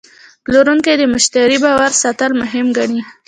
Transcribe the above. پلورونکی د مشتری باور ساتل مهم ګڼي.